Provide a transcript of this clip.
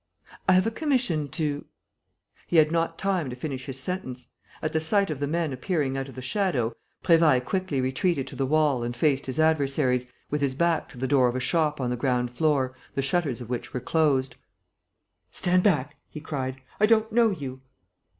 "I have a commission to...." He had not time to finish his sentence. At the sight of the men appearing out of the shadow, Prévailles quickly retreated to the wall and faced his adversaries, with his back to the door of a shop on the ground floor, the shutters of which were closed. "Stand back!" he cried. "I don't know you!"